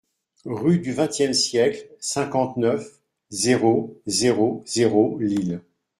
Rue du XXème Siècle, cinquante-neuf, zéro zéro zéro Lille